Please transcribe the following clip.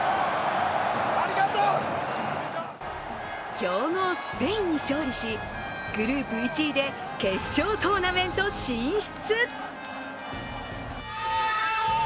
強豪スペインに勝利しグループ１位で決勝トーナメント進出。